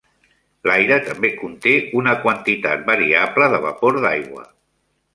L'aire també conté una quantitat variable de vapor d'aigua.